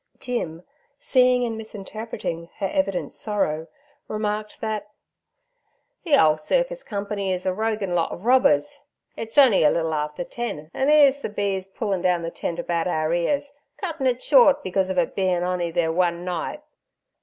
Jim, seeing and misinterpreting her evident sorrow, remarked that, 'The ole cirkis company is a roguin' lot ov robbers; it's on'y a little after ten, an' 'ere's the b—s pullin' down the tent about our ears, cuttin' it short because ov its bein' on'y their one night.'